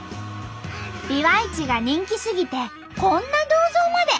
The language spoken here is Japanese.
ビワイチが人気すぎてこんな銅像まで！